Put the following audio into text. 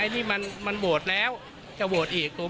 นี่มันโหวตแล้วจะโหวตอีก